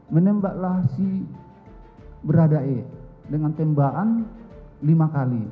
menembaklah si berada e dengan tembakan lima kali